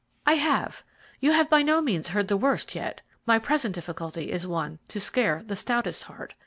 "I have. You have by no means heard the worst yet. My present difficulty is one to scare the stoutest heart.